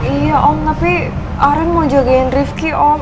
iya om tapi arin mau jagain rifki om